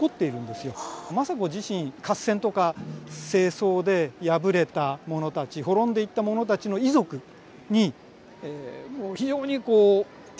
政子自身合戦とか政争で敗れた者たち滅んでいった者たちの遺族に非常に手厚く保護を加えると。